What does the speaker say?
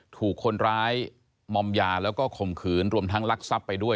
ถูกคนร้ายมอมยาแล้วก็ข่มขืนรวมทั้งลักทรัพย์ไปด้วย